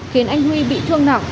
khiến anh huy bị thương nặng